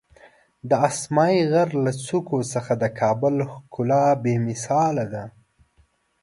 د اسمایي غر له څوکو څخه د کابل ښکلا بېمثاله ده.